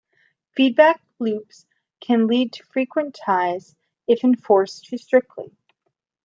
Feedback loops can lead to frequent ties if enforced too strictly.